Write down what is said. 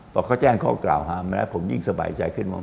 พอเขาแจ้งข้อกล่าวหามาแล้วผมยิ่งสบายใจขึ้นว่า